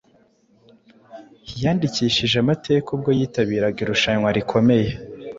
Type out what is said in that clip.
yandikishije amateka ubwo yitabiraga irushanwa rikomeye